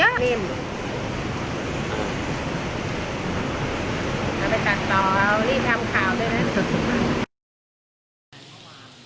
เราไปตัดต่อรีบทำข่าวด้วยนะ